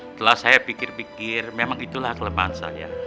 setelah saya pikir pikir memang itulah kelemahan saya